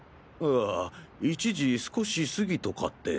あ１時少し過ぎとかって。